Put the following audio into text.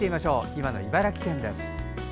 今の茨城県です。